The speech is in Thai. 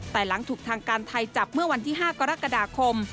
แต่หลังถูกทางการไทยจับเมื่อวันที่๕กรกฎาคม